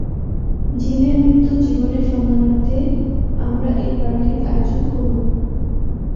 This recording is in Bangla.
জিমের মৃত্যু জীবনের সম্মানার্থে আমরা এ পার্টি আয়োজন করব।